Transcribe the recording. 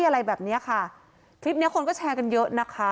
อะไรแบบเนี้ยค่ะคลิปเนี้ยคนก็แชร์กันเยอะนะคะ